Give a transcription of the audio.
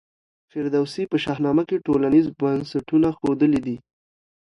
فردوسي په شاهنامه کي ټولنیز بنسټونه ښودلي دي.